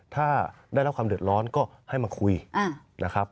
ถ้าได้รับความเดือดร้อนก็ให้มาคุยนะครับ